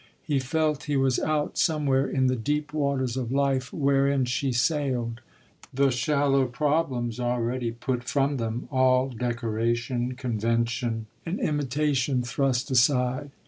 He felt he was out somewhere in the deep waters of life wherein she sailed—the shallow problems already put from them, all decoration, convention and imitation thrust aside.